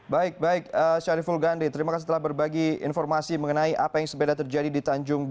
baik baik syariful gandhi terima kasih telah berbagi informasi mengenai apa yang sepeda terjadi di tanjung balai